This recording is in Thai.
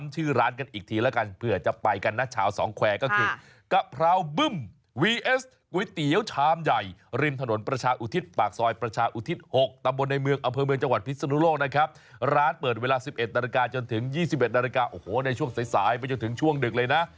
จนถึง๒๑นาฬิกาโอ้โหในช่วงสายไปจนถึงช่วงดึกเลยนะ